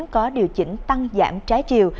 có điều chỉnh tăng giảm trái chiều